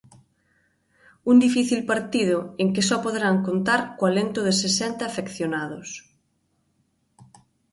Un difícil partido en que só poderán contar co alento de sesenta afeccionados.